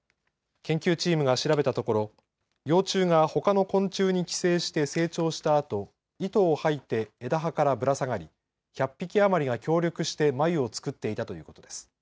研究チームが調べたところ、幼虫がほかの昆虫に寄生して成長したあと糸を吐いて枝葉からぶら下がり、１００匹余りが協力して繭を作っていたということです。